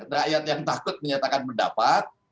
rakyat yang takut menyatakan pendapat